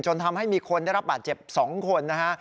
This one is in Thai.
ทำให้มีคนได้รับบาดเจ็บ๒คนนะฮะ